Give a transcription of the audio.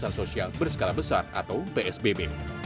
pembatasan sosial berskala besar atau psbb